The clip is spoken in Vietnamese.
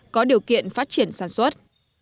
có điều kiện phát triển sản xuất